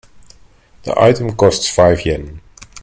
The item costs five Yen.